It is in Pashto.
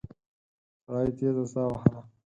سړي تېزه ساه وهله.